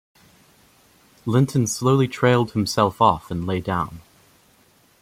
Linton slowly trailed himself off, and lay down.